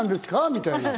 みたいな。